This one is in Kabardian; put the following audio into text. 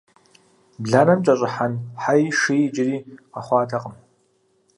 Бланэм кӀэщӀыхьэн хьэи шыи иджыри къэхъуатэкъым.